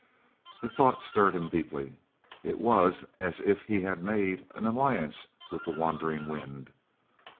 The thought stirred him deeply. It was as if he had made an alliance with the wandering wind.